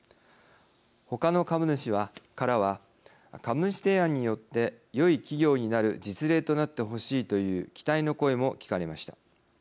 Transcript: ほかの株主からは株主提案によってよい企業になる実例となってほしいという期待の声も聞かれました。